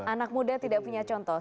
anak muda tidak punya contoh